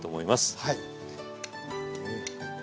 はい。